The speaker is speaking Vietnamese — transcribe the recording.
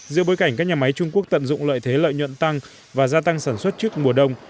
giữa bối cảnh các nhà máy trung quốc tận dụng lợi thế lợi nhuận tăng và gia tăng sản xuất trước mùa đông